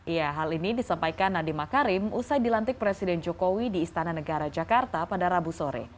ya hal ini disampaikan nadiem makarim usai dilantik presiden jokowi di istana negara jakarta pada rabu sore